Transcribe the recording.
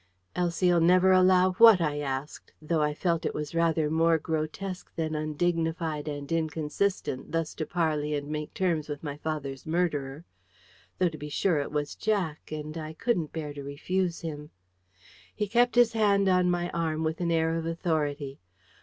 "Elsie'll never allow WHAT?" I asked; though I felt it was rather more grotesque than undignified and inconsistent thus to parley and make terms with my father's murderer. Though, to be sure, it was Jack, and I couldn't bear to refuse him. He kept his hand on my arm with an air of authority.